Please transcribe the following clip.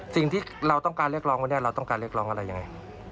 สิ่งที่เราต้องการเรียกร้องวันนี้เราต้องการเรียกร้องอะไรยังไง